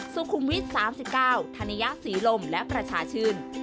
สุขุมวิท๓๙ธัญยะศรีลมและประชาชื่น